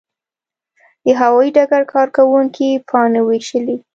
د هوايي ډګر کارکوونکي پاڼې وویشلې.